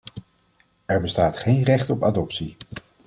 Er bestaat geen recht op adoptie!